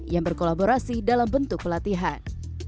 yang berkolaborasi dalam bentuk pelatihan